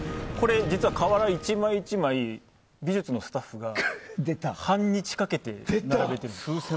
実はこれ、瓦１枚１枚美術のスタッフが半日かけて並べてるんです。